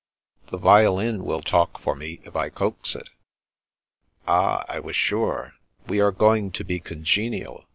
"" The violin will talk for me, if I coax it." " Ah, I was sure. We are going to be congenial.